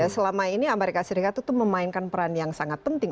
selama ini amerika serikat itu memainkan peran yang sangat penting